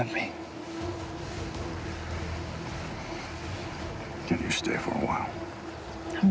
bisa kamu tinggal sebentar